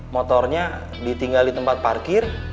motornya ditinggal di tempat parkir